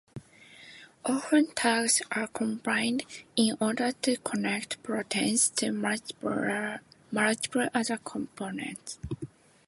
Often tags are combined, in order to connect proteins to multiple other components.